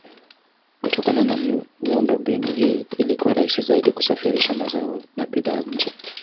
Kutokana na miundombinu hii ilikuwa rahisi zaidi kusafirisha mazao na bidhaa nje.